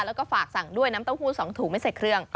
แล้วก็ฝากสั่งด้วยน้ำเต้าหู้๒ถุงไม่ใส่เครื่อง